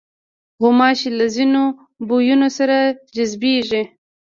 غوماشې له ځینو بویونو سره جذبېږي.